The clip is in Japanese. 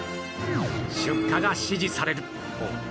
出荷が指示される